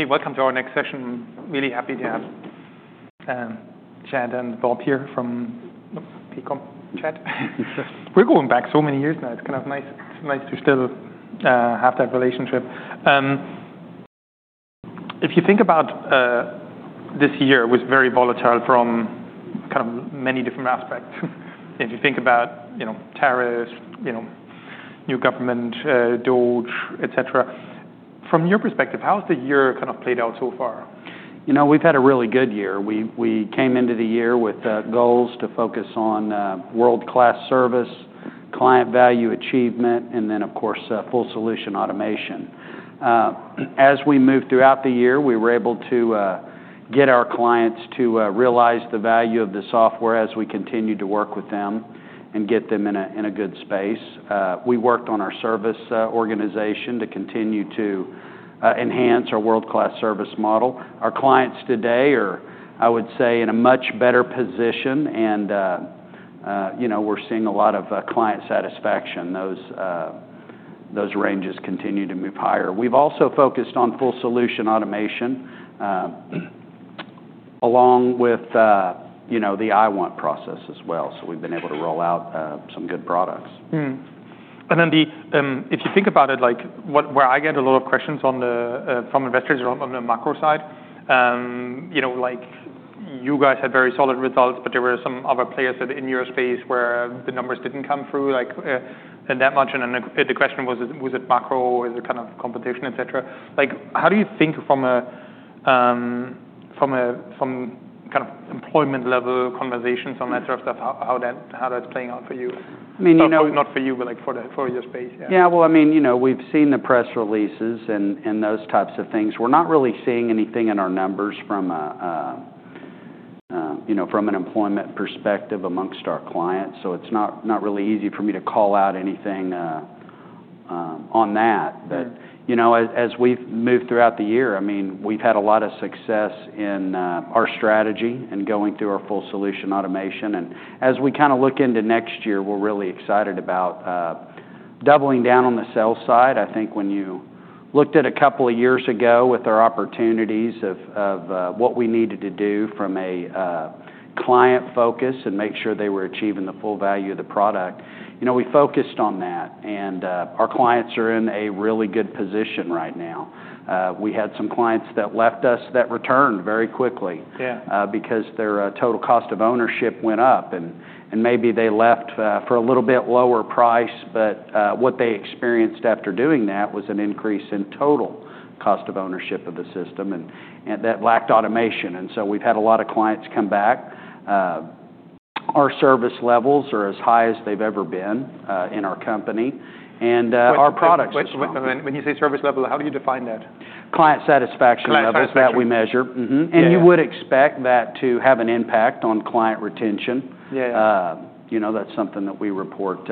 Hey, welcome to our next session. I'm really happy to have Chad and Bob here from Paycom. Chad. We're going back so many years now. It's kind of nice to still have that relationship. If you think about, this year was very volatile from kind of many different aspects. If you think about, you know, tariffs, you know, new government, DOGE, etc., from your perspective, how has the year kind of played out so far? You know, we've had a really good year. We came into the year with goals to focus on world-class service, client value achievement, and then, of course, full-solution automation. As we moved throughout the year, we were able to get our clients to realize the value of the software as we continued to work with them and get them in a good space. We worked on our service organization to continue to enhance our world-class service model. Our clients today are, I would say, in a much better position, and, you know, we're seeing a lot of client satisfaction. Those ranges continue to move higher. We've also focused on full-solution automation, along with, you know, the IWant process as well. So we've been able to roll out some good products. And then, if you think about it, like, where I get a lot of questions from investors on the macro side, you know, like, you guys had very solid results, but there were some other players in your space where the numbers didn't come through like that much. And then the question was it macro? Is it kind of competition, etc.? Like, how do you think from kind of employment-level conversations on that sort of stuff, how that's playing out for you? I mean, you know. Not for you, but, like, for your space, yeah. Yeah, well, I mean, you know, we've seen the press releases and those types of things. We're not really seeing anything in our numbers from a you know from an employment perspective amongst our clients, so it's not really easy for me to call out anything on that, but you know as we've moved throughout the year, I mean, we've had a lot of success in our strategy and going through our full-solution automation, and as we kind of look into next year, we're really excited about doubling down on the sales side. I think when you looked at a couple of years ago with our opportunities of what we needed to do from a client focus and make sure they were achieving the full value of the product, you know, we focused on that, and our clients are in a really good position right now. We had some clients that left us that return very quickly. Yeah. Because their Total Cost of Ownership went up, and maybe they left for a little bit lower price. But what they experienced after doing that was an increase in total cost of ownership of the system, and that lacked automation. And so we've had a lot of clients come back. Our service levels are as high as they've ever been in our company. And our products are. What, when you say service level, how do you define that? Client satisfaction level. Client satisfaction. That we measure. Mm-hmm. Yeah. You would expect that to have an impact on client retention. Yeah. Yeah. You know, that's something that we report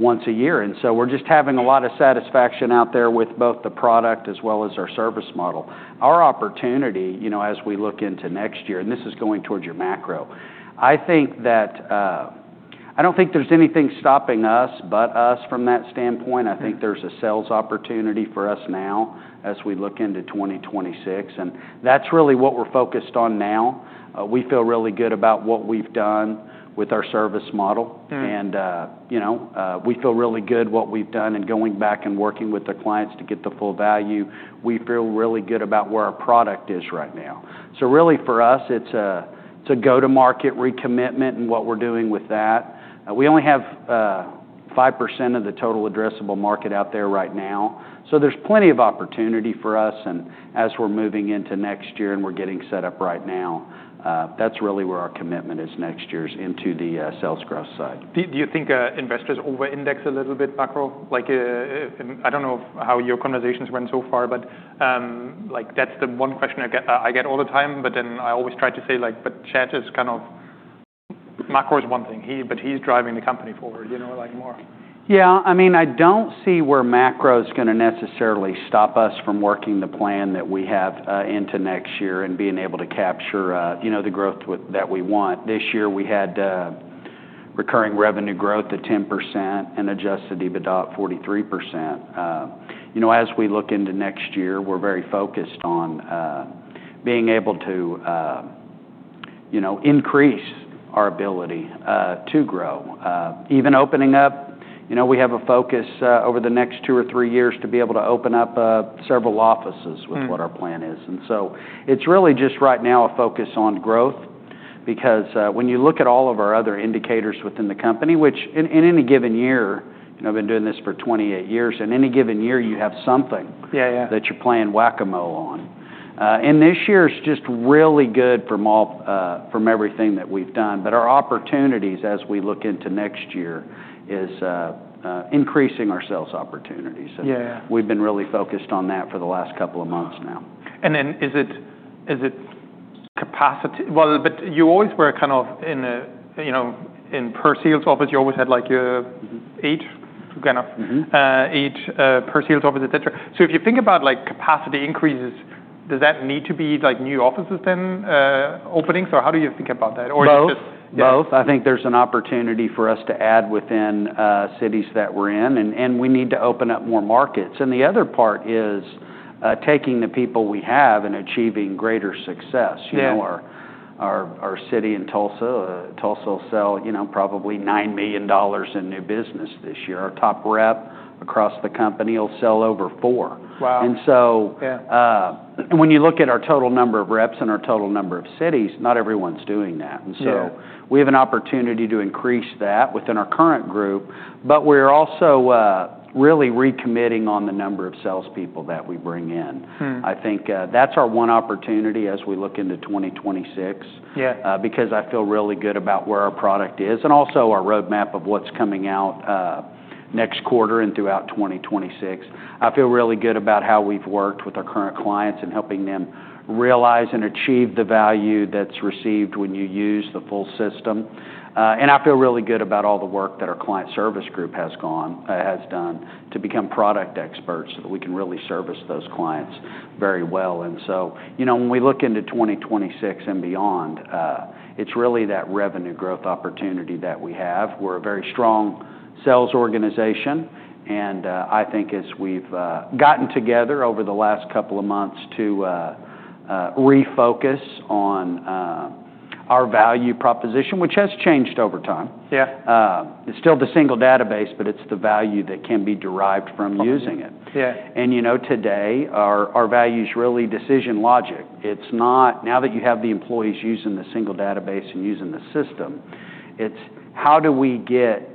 once a year and so we're just having a lot of satisfaction out there with both the product as well as our service model. Our opportunity, you know, as we look into next year, and this is going towards your macro, I think that, I don't think there's anything stopping us but us from that standpoint. I think there's a sales opportunity for us now as we look into 2026 and that's really what we're focused on now. We feel really good about what we've done with our service model. Yeah. And, you know, we feel really good what we've done in going back and working with the clients to get the full value. We feel really good about where our product is right now. So really for us, it's a go-to-market recommitment in what we're doing with that. We only have 5% of the total addressable market out there right now. So there's plenty of opportunity for us. And as we're moving into next year and we're getting set up right now, that's really where our commitment is next year's into the sales growth side. Do you think investors over-index a little bit macro? Like, I don't know how your conversations went so far, but, like, that's the one question I get, I get all the time. But then I always try to say, like, but Chad is kind of macro is one thing. But he's driving the company forward, you know, like more. Yeah. I mean, I don't see where macro's gonna necessarily stop us from working the plan that we have into next year and being able to capture, you know, the growth with that we want. This year we had recurring revenue growth at 10% and Adjusted EBITDA at 43%. You know, as we look into next year, we're very focused on being able to, you know, increase our ability to grow, even opening up. You know, we have a focus over the next two or three years to be able to open up several offices with what our plan is. And so it's really just right now a focus on growth because when you look at all of our other indicators within the company, which in any given year, you know, I've been doing this for 28 years. In any given year, you have something. Yeah. Yeah. That you're playing whack-a-mole on, and this year's just really good from all, from everything that we've done, but our opportunities as we look into next year is increasing our sales opportunities. Yeah. Yeah. So we've been really focused on that for the last couple of months now. And then, is it capacity? Well, but you always were kind of, you know, in per sales office. You always had like your eight kind of. Mm-hmm. Eight, per sales office, etc. So if you think about, like, capacity increases, does that need to be like new offices then, openings? Or how do you think about that? Or is it just. Well, both. I think there's an opportunity for us to add within cities that we're in. And we need to open up more markets. And the other part is taking the people we have and achieving greater success. Yeah. You know, our city in Tulsa will sell, you know, probably $9 million in new business this year. Our top rep across the company will sell over four. Wow. And so. Yeah. When you look at our total number of reps and our total number of cities, not everyone's doing that. Yeah. And so we have an opportunity to increase that within our current group. But we're also, really recommitting on the number of salespeople that we bring in. I think, that's our one opportunity as we look into 2026. Yeah. Because I feel really good about where our product is and also our roadmap of what's coming out next quarter and throughout 2026. I feel really good about how we've worked with our current clients and helping them realize and achieve the value that's received when you use the full system. And I feel really good about all the work that our client service group has done to become product experts so that we can really service those clients very well. And so, you know, when we look into 2026 and beyond, it's really that revenue growth opportunity that we have. We're a very strong sales organization. And I think as we've gotten together over the last couple of months to refocus on our value proposition, which has changed over time. Yeah. It's still the single database, but it's the value that can be derived from using it. Yeah. You know, today, our value's really decision logic. It's not now that you have the employees using the single database and using the system. It's how do we get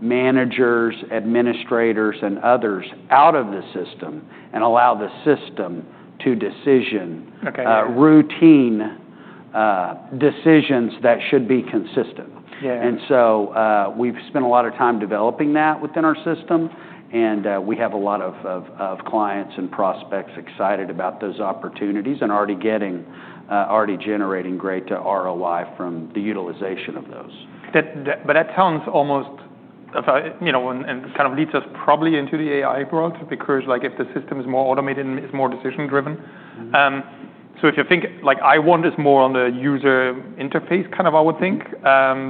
managers, administrators, and others out of the system and allow the system to decision. Okay. Routine, decisions that should be consistent. Yeah. We've spent a lot of time developing that within our system. We have a lot of clients and prospects excited about those opportunities and already generating great ROI from the utilization of those. That, but that sounds almost, you know, and kind of leads us probably into the AI world because, like, if the system is more automated and it's more decision-driven. Mm-hmm. So if you think, like, IWant is more on the user interface kind of, I would think.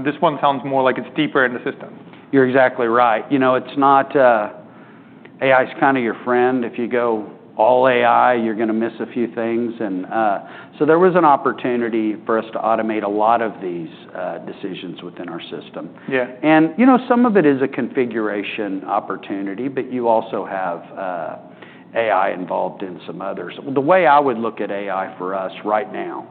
This one sounds more like it's deeper in the system. You're exactly right. You know, it's not. AI's kind of your friend. If you go all AI, you're gonna miss a few things, and so there was an opportunity for us to automate a lot of these decisions within our system. Yeah. You know, some of it is a configuration opportunity, but you also have AI involved in some others. The way I would look at AI for us right now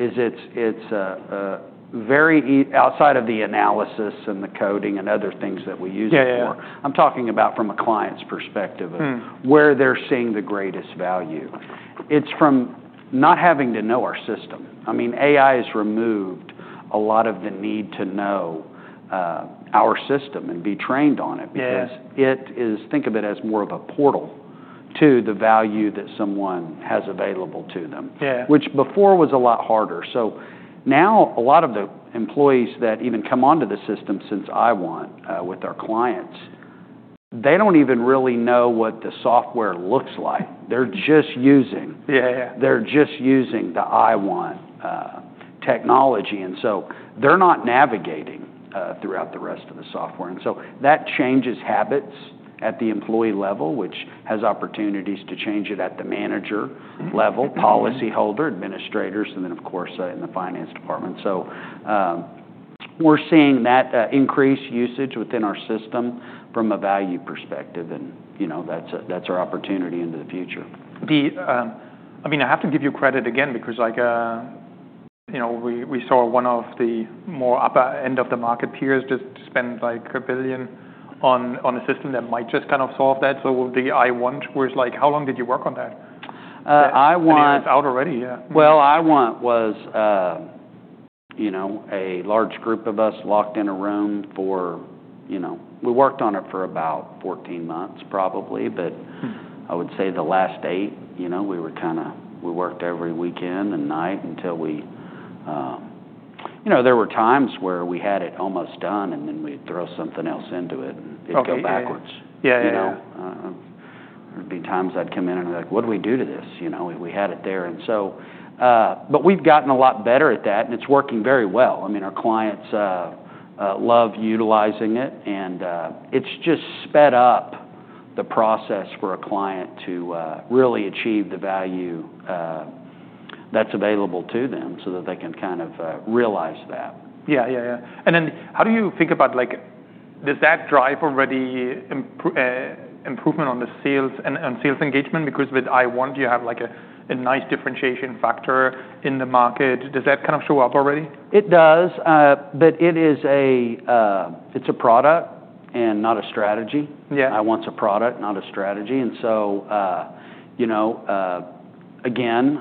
is it's very early outside of the analysis and the coding and other things that we use it for. Yeah. I'm talking about from a client's perspective of. Mm-hmm. Where they're seeing the greatest value. It's from not having to know our system. I mean, AI has removed a lot of the need to know our system and be trained on it. Yeah. Because it is, think of it as more of a portal to the value that someone has available to them. Yeah. Which before was a lot harder. So now a lot of the employees that even come onto the system since IWant, with our clients, they don't even really know what the software looks like. They're just using. Yeah. Yeah. They're just using the IWant technology. And so they're not navigating throughout the rest of the software. And so that changes habits at the employee level, which has opportunities to change it at the manager level. Mm-hmm. Policyholder, administrators, and then, of course, in the finance department. So, we're seeing that increased usage within our system from a value perspective. And, you know, that's a, that's our opportunity into the future. I mean, I have to give you credit again because, like, you know, we saw one of the more upper end of the market peers just spend like $1 billion on a system that might just kind of solve that. So the IWant, whereas, like, how long did you work on that? IWant. Or is it out already? Yeah. Well, IWant was, you know, a large group of us locked in a room for, you know, we worked on it for about 14 months probably. But, I would say the last eight, you know, we were kind of, we worked every weekend and night until we, you know, there were times where we had it almost done and then we'd throw something else into it and it'd go. Okay. Backwards. Yeah. Yeah. You know, there'd be times I'd come in and I'd be like, "What do we do to this?" You know, we had it there. And so, but we've gotten a lot better at that, and it's working very well. I mean, our clients love utilizing it. And it's just sped up the process for a client to really achieve the value that's available to them so that they can kind of realize that. Yeah. Yeah. Yeah. And then how do you think about, like, does that drive already improvement on the sales and sales engagement? Because with IWant, you have like a nice differentiation factor in the market. Does that kind of show up already? It does, but it's a product and not a strategy. Yeah. IWant's a product, not a strategy. And so, you know, again,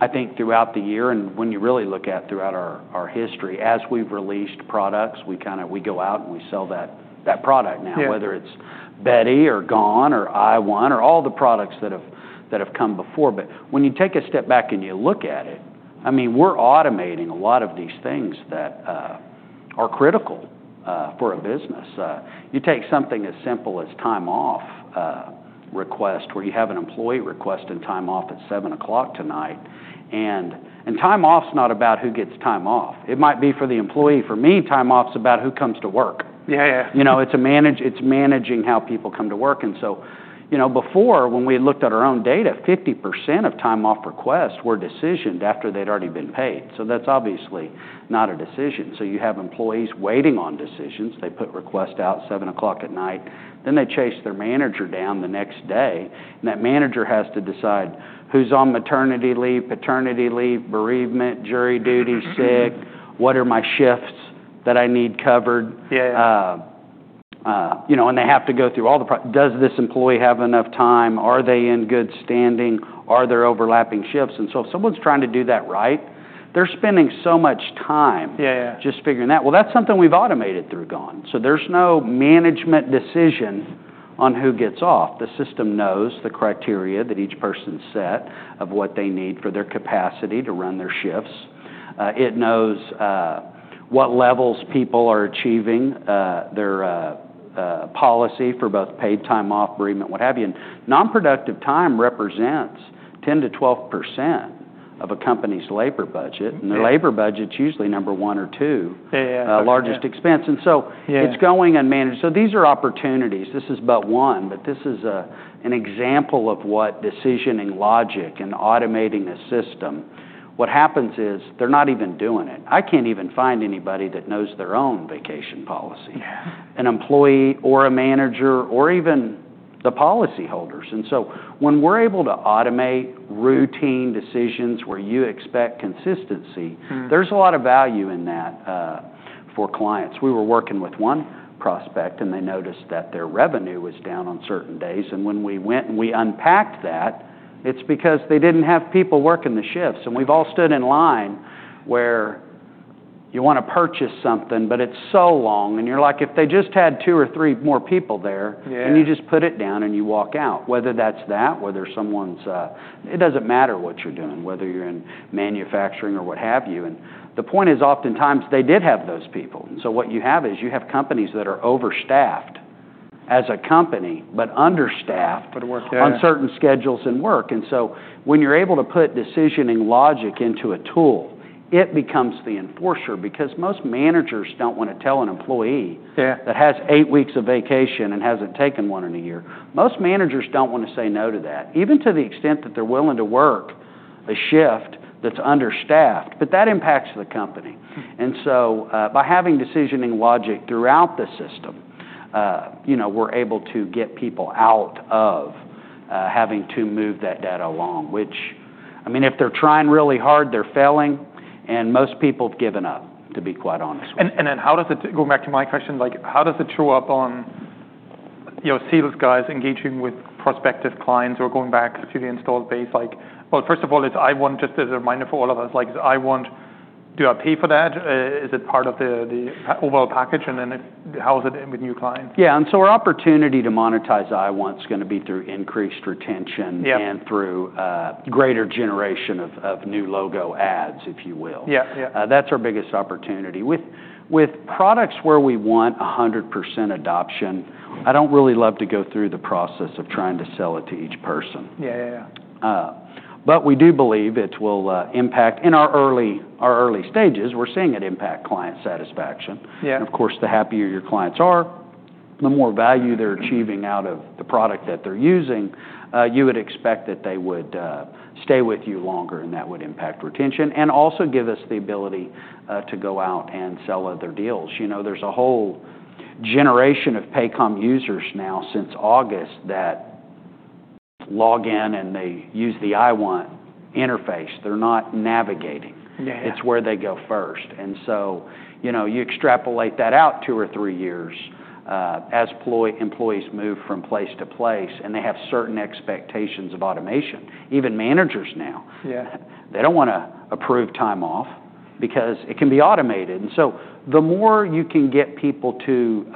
I think throughout the year and when you really look at throughout our history, as we've released products, we kind of go out and we sell that product now. Yeah. Whether it's Beti or Gone or IWant or all the products that have come before. But when you take a step back and you look at it, I mean, we're automating a lot of these things that are critical for a business. You take something as simple as time off request where you have an employee requesting time off at 7 o'clock tonight. And time off's not about who gets time off. It might be for the employee. For me, time off's about who comes to work. Yeah. Yeah. You know, it's managing how people come to work. And so, you know, before, when we looked at our own data, 50% of time off requests were decisioned after they'd already been paid. So that's obviously not a decision. So you have employees waiting on decisions. They put requests out 7:00 P.M. Then they chase their manager down the next day. And that manager has to decide who's on maternity leave, paternity leave, bereavement, jury duty, sick. Mm-hmm. What are my shifts that I need covered? Yeah. Yeah. You know, and they have to go through all the process. Does this employee have enough time? Are they in good standing? Are there overlapping shifts? And so if someone's trying to do that right, they're spending so much time. Yeah. Yeah. Just figuring that. Well, that's something we've automated through Gone. So there's no management decision on who gets off. The system knows the criteria that each person set of what they need for their capacity to run their shifts. It knows what levels people are achieving, their policy for both paid time off, bereavement, what have you. And nonproductive time represents 10%-12% of a company's labor budget. Yeah. The labor budget's usually number one or two. Yeah. Yeah. largest expense, and so. Yeah. It's going unmanaged. So these are opportunities. This is but one, but this is an example of what decisioning and logic and automating a system. What happens is they're not even doing it. I can't even find anybody that knows their own vacation policy. Yeah. An employee or a manager or even the policyholders, and so when we're able to automate routine decisions where you expect consistency. Mm-hmm. There's a lot of value in that, for clients. We were working with one prospect, and they noticed that their revenue was down on certain days, and when we went and we unpacked that, it's because they didn't have people working the shifts, and we've all stood in line where you wanna purchase something, but it's so long, and you're like, "If they just had two or three more people there. Yeah. and you just put it down and you walk out. Whether that's that, whether someone's, it doesn't matter what you're doing, whether you're in manufacturing or what have you, and the point is oftentimes they did have those people, and so what you have is you have companies that are overstaffed as a company but understaffed. But work there. On certain schedules and work, and so when you're able to put decision and logic into a tool, it becomes the enforcer because most managers don't wanna tell an employee. Yeah. That has eight weeks of vacation and hasn't taken one in a year. Most managers don't wanna say no to that, even to the extent that they're willing to work a shift that's understaffed, but that impacts the company, and so, by having decision and logic throughout the system, you know, we're able to get people out of having to move that data along, which, I mean, if they're trying really hard, they're failing, and most people have given up, to be quite honest with you. And then how does it go back to my question, like, how does it show up on, you know, sales guys engaging with prospective clients or going back to the installed base? Like, well, first of all, it's IWant just as a reminder for all of us, like, is IWant, do I pay for that? Is it part of the overall package? And then how is it with new clients? Yeah. And so our opportunity to monetize IWant's gonna be through increased retention. Yeah. And through greater generation of new logo adds, if you will. Yeah. Yeah. That's our biggest opportunity. With products where we want 100% adoption, I don't really love to go through the process of trying to sell it to each person. Yeah. Yeah. Yeah. but we do believe it will impact in our early stages. We're seeing it impact client satisfaction. Yeah. And of course, the happier your clients are, the more value they're achieving out of the product that they're using. You would expect that they would stay with you longer, and that would impact retention and also give us the ability to go out and sell other deals. You know, there's a whole generation of Paycom users now since August that log in and they use the IWant interface. They're not navigating. Yeah. Yeah. It's where they go first, and so, you know, you extrapolate that out two or three years, as employees move from place to place, and they have certain expectations of automation, even managers now. Yeah. They don't wanna approve time off because it can be automated, and so the more you can get people to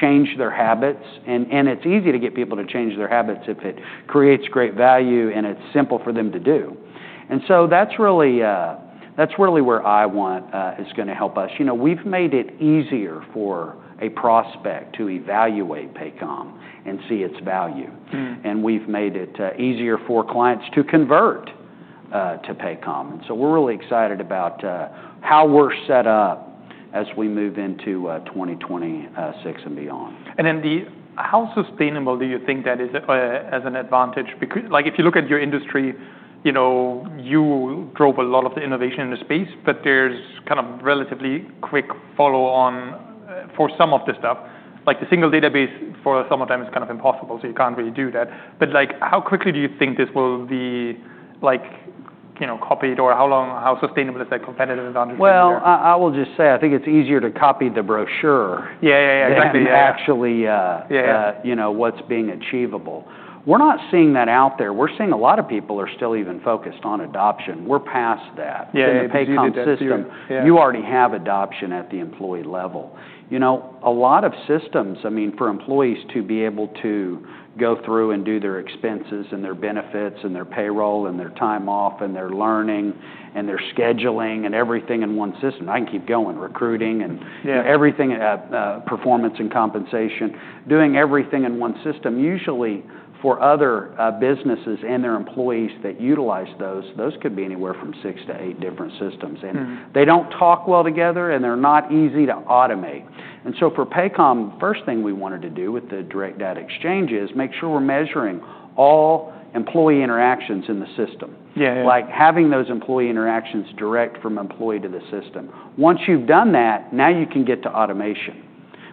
change their habits, and it's easy to get people to change their habits if it creates great value and it's simple for them to do, and so that's really where IWant is gonna help us. You know, we've made it easier for a prospect to evaluate Paycom and see its value, and we've made it easier for clients to convert to Paycom, and so we're really excited about how we're set up as we move into 2026 and beyond. How sustainable do you think that is, as an advantage? Because, like, if you look at your industry, you know, you drove a lot of the innovation in the space, but there's kind of relatively quick follow-on for some of the stuff. Like, the single database for some of them is kind of impossible, so you can't really do that. But, like, how quickly do you think this will be, like, you know, copied? Or how long, how sustainable is that competitive advantage? I will just say I think it's easier to copy the brochure. Yeah. Yeah. Yeah. Than to actually, Yeah. You know, what's being achievable. We're not seeing that out there. We're seeing a lot of people are still even focused on adoption. We're past that. Yeah. Yeah. In the Paycom system. Yeah. You already have adoption at the employee level. You know, a lot of systems, I mean, for employees to be able to go through and do their expenses and their benefits and their payroll and their time off and their learning and their scheduling and everything in one system. I can keep going, recruiting and. Yeah. Everything, performance and compensation, doing everything in one system, usually for other businesses and their employees that utilize those. Those could be anywhere from six to eight different systems. Mm-hmm. And they don't talk well together, and they're not easy to automate. And so for Paycom, first thing we wanted to do with the Direct Data Exchange is make sure we're measuring all employee interactions in the system. Yeah. Yeah. Like, having those employee interactions direct from employee to the system. Once you've done that, now you can get to automation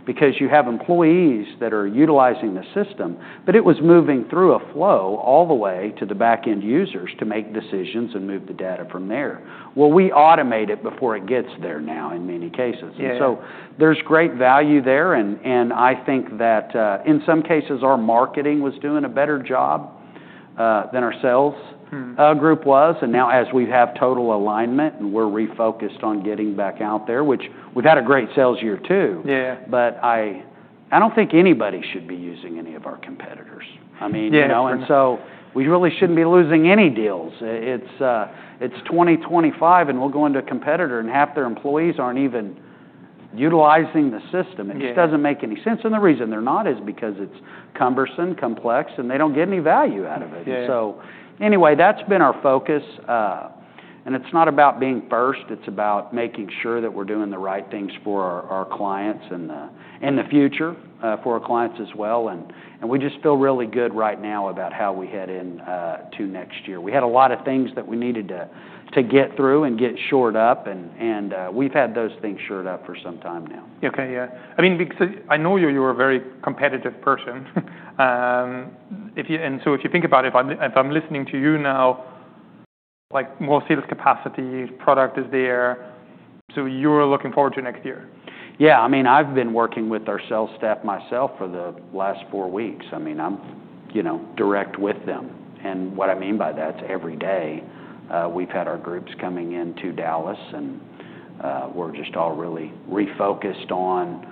because you have employees that are utilizing the system, but it was moving through a flow all the way to the backend users to make decisions and move the data from there. Well, we automate it before it gets there now in many cases. Yeah. And so there's great value there. And I think that, in some cases, our marketing was doing a better job than our sales group was. And now as we have total alignment and we're refocused on getting back out there, which we've had a great sales year too. Yeah. But I don't think anybody should be using any of our competitors. I mean. Yeah. You know, and so we really shouldn't be losing any deals. It's 2025, and we'll go into a competitor, and half their employees aren't even utilizing the system. Yeah. It just doesn't make any sense. And the reason they're not is because it's cumbersome, complex, and they don't get any value out of it. Yeah. And so anyway, that's been our focus. And it's not about being first. It's about making sure that we're doing the right things for our clients and, in the future, for our clients as well. And we just feel really good right now about how we head into next year. We had a lot of things that we needed to get through and get shored up. And we've had those things shored up for some time now. Okay. Yeah. I mean, because I know you're a very competitive person. If you think about it, if I'm listening to you now, like, more sales capacity, product is there, so you're looking forward to next year. Yeah. I mean, I've been working with our sales staff myself for the last four weeks. I mean, I'm, you know, direct with them, and what I mean by that's every day. We've had our groups coming into Dallas, and we're just all really refocused on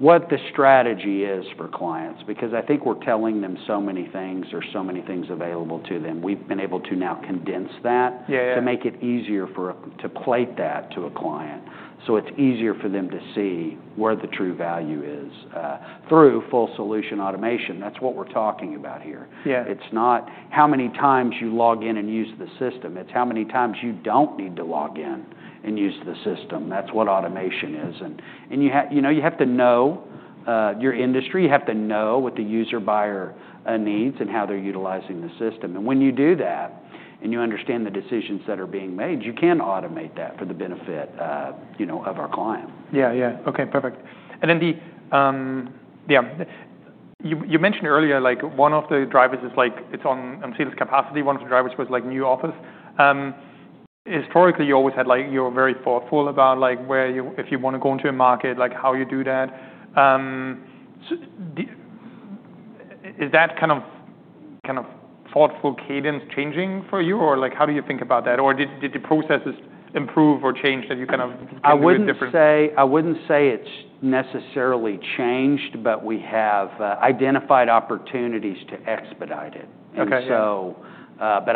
what the strategy is for clients because I think we're telling them so many things. There's so many things available to them. We've been able to now condense that. Yeah. Yeah. To make it easier for us to articulate that to a client so it's easier for them to see where the true value is through Full-Solution Automation. That's what we're talking about here. Yeah. It's not how many times you log in and use the system. It's how many times you don't need to log in and use the system. That's what automation is. And you know, you have to know your industry. You have to know what the user buyer needs and how they're utilizing the system. And when you do that and you understand the decisions that are being made, you can automate that for the benefit, you know, of our client. Yeah. Yeah. Okay. Perfect. And then, yeah, you mentioned earlier, like, one of the drivers is, like, it's on sales capacity. One of the drivers was, like, new office. Historically, you always had, like, you were very thoughtful about, like, where you if you wanna go into a market, like, how you do that. So is that kind of thoughtful cadence changing for you? Or, like, how do you think about that? Or did the processes improve or change that you kind of? I wouldn't say it's necessarily changed, but we have identified opportunities to expedite it. Okay.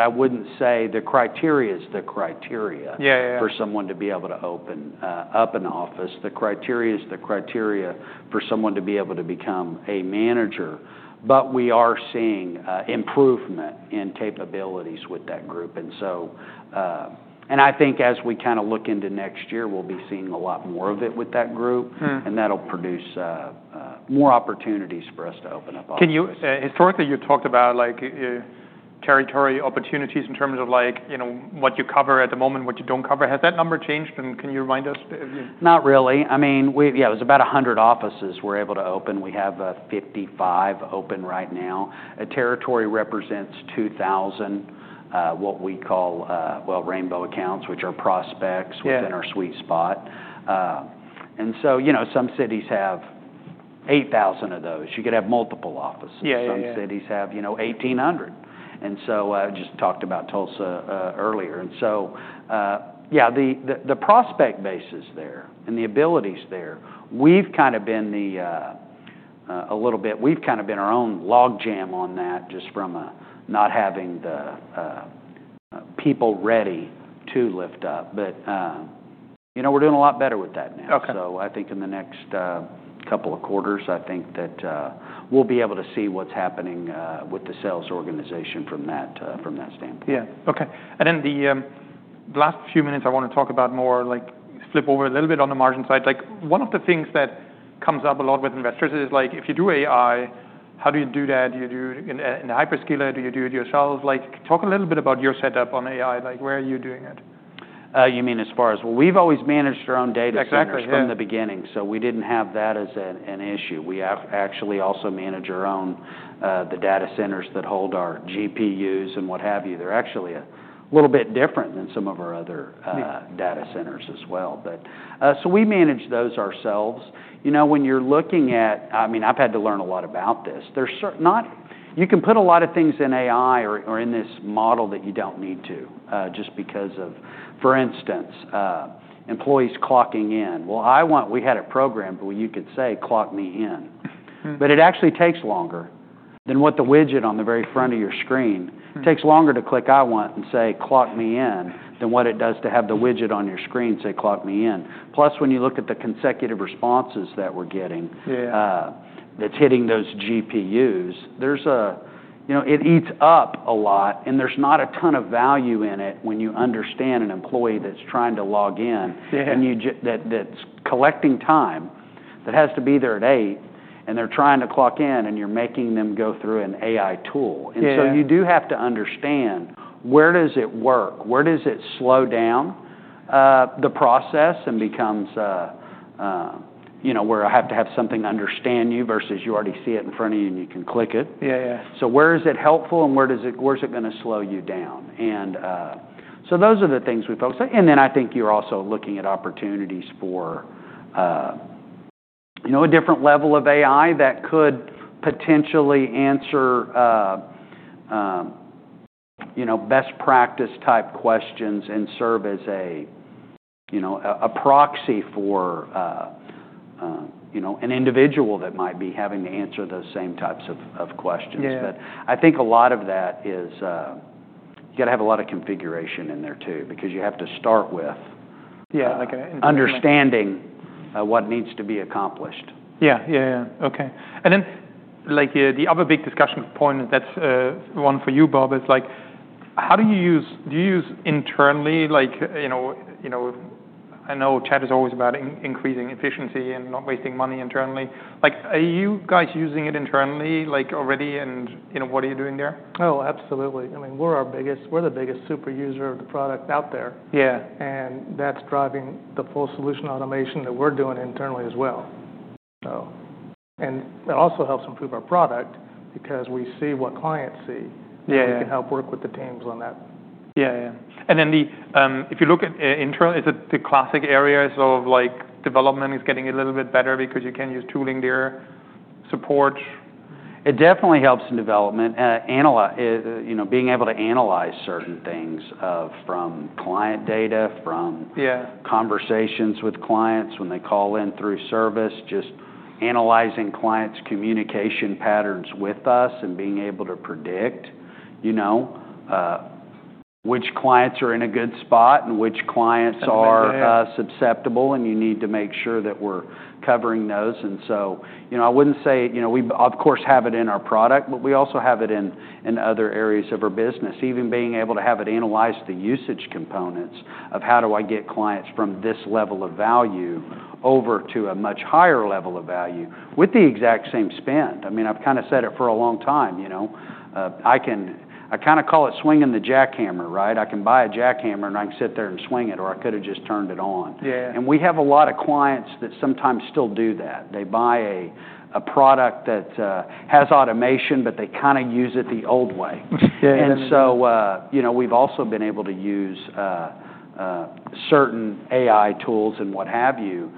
I wouldn't say the criteria is the criteria. Yeah. Yeah. For someone to be able to open up an office. The criteria is for someone to be able to become a manager, but we are seeing improvement in capabilities with that group, and so I think as we kinda look into next year, we'll be seeing a lot more of it with that group, and that'll produce more opportunities for us to open up offices. Can you, historically, you talked about, like, territory opportunities in terms of, like, you know, what you cover at the moment, what you don't cover? Has that number changed? And can you remind us? Not really. I mean, we yeah, it was about 100 offices we're able to open. We have 55 open right now. A territory represents 2,000, what we call, well, Rainbow accounts, which are prospects. Yeah. Within our sweet spot, and so, you know, some cities have 8,000 of those. You could have multiple offices. Yeah. Yeah. Some cities have, you know, 1,800 and so just talked about Tulsa earlier, and so yeah, the prospect base is there and the ability's there. We've kinda been a little bit our own log jam on that just from not having the people ready to lift up, but you know, we're doing a lot better with that now. Okay. So I think in the next couple of quarters, I think that we'll be able to see what's happening with the sales organization from that, from that standpoint. Yeah. Okay. And then the last few minutes, I wanna talk about more, like, flip over a little bit on the margin side. Like, one of the things that comes up a lot with investors is, like, if you do AI, how do you do that? Do you do it in the hyperscaler, do you do it yourself? Like, talk a little bit about your setup on AI. Like, where are you doing it? You mean as far as, well, we've always managed our own data centers. Exactly. From the beginning, so we didn't have that as an issue. We actually also manage our own data centers that hold our GPUs and what have you. They're actually a little bit different than some of our other, Yeah. Data centers as well. But, so we manage those ourselves. You know, when you're looking at, I mean, I've had to learn a lot about this. There's certainly not you can put a lot of things in AI or, or in this model that you don't need to, just because of, for instance, employees clocking in. Well, IWant we had a program where you could say, "Clock me in." But it actually takes longer than what the widget on the very front of your screen. Takes longer to click, "IWant," and say, "Clock me in," than what it does to have the widget on your screen say, "Clock me in." Plus, when you look at the consecutive responses that we're getting. Yeah. That's hitting those GPUs. There's a, you know, it eats up a lot, and there's not a ton of value in it when you understand an employee that's trying to log in. Yeah. That's collecting time that has to be there at 8:00 A.M., and they're trying to clock in, and you're making them go through an AI tool. Yeah. And so you do have to understand where does it work? Where does it slow down the process and becomes, you know, where I have to have something understand you versus you already see it in front of you, and you can click it. Yeah. Yeah. So where is it helpful, and where's it gonna slow you down? And so those are the things we focus on. And then I think you're also looking at opportunities for, you know, a different level of AI that could potentially answer, you know, best practice type questions and serve as a, you know, a proxy for, you know, an individual that might be having to answer those same types of questions. Yeah. But I think a lot of that is, you gotta have a lot of configuration in there too because you have to start with. Yeah. Like a. Understanding what needs to be accomplished. Yeah. Yeah. Yeah. Okay, and then, like, the other big discussion point, and that's one for you, Bob, is like, how do you use internally, like, you know, I know chat is always about increasing efficiency and not wasting money internally. Like, are you guys using it internally, like, already, and you know, what are you doing there? Oh, absolutely. I mean, we're the biggest super user of the product out there. Yeah. And that's driving the Full-Solution Automation that we're doing internally as well. So, and it also helps improve our product because we see what clients see. Yeah. We can help work with the teams on that. Yeah. Yeah, and then, if you look at internal, is it the classic areas of, like, development is getting a little bit better because you can use tooling there? Support? It definitely helps in development, you know, being able to analyze certain things from client data. Yeah. Conversations with clients when they call in through service, just analyzing clients' communication patterns with us and being able to predict, you know, which clients are in a good spot and which clients are. That's accurate. susceptible. And you need to make sure that we're covering those. And so, you know, I wouldn't say, you know, we, of course, have it in our product, but we also have it in other areas of our business, even being able to have it analyze the usage components of how do I get clients from this level of value over to a much higher level of value with the exact same spend. I mean, I've kinda said it for a long time, you know. I kinda call it swinging the jackhammer, right? I can buy a jackhammer, and I can sit there and swing it, or I could've just turned it on. Yeah. And we have a lot of clients that sometimes still do that. They buy a product that has automation, but they kinda use it the old way. Yeah. Yeah. And so, you know, we've also been able to use certain AI tools and what have you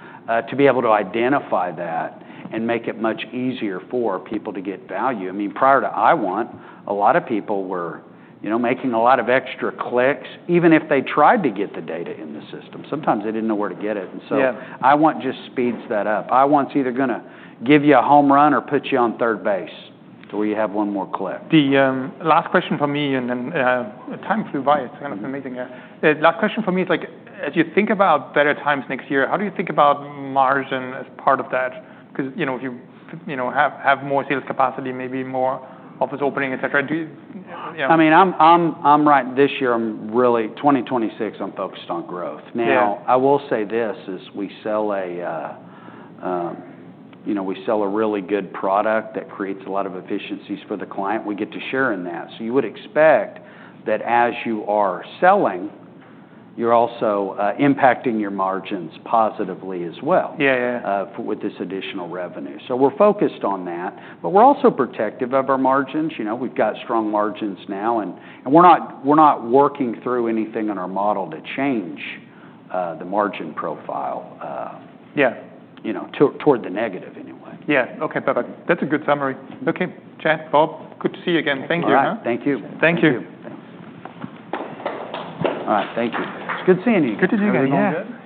to be able to identify that and make it much easier for people to get value. I mean, prior to IWant, a lot of people were you know making a lot of extra clicks, even if they tried to get the data in the system. Sometimes they didn't know where to get it. And so. Yeah. IWant just speeds that up. IWant's either gonna give you a home run or put you on third base to where you have one more click. The last question for me, and then time flew by. It's kind of amazing. The last question for me is, like, as you think about better times next year, how do you think about margin as part of that? 'Cause, you know, if you have more sales capacity, maybe more office opening, etc., do you? I mean, I'm right. This year, I'm really 2026, I'm focused on growth. Yeah. Now, I will say, you know, we sell a really good product that creates a lot of efficiencies for the client. We get to share in that. So you would expect that as you are selling, you're also impacting your margins positively as well. Yeah. Yeah. If with this additional revenue, so we're focused on that, but we're also protective of our margins. You know, we've got strong margins now, and we're not working through anything in our model to change the margin profile. Yeah. You know, toward the negative anyway. Yeah. Okay. Perfect. That's a good summary. Okay. Chad, Bob, good to see you again. Thank you. All right. Thank you. Thank you. Thank you. All right. Thank you. It's good seeing you. Good to see you again. You're doing well.